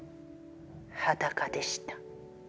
裸でした。